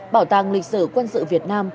bảo tàng lịch sử quân sự việt nam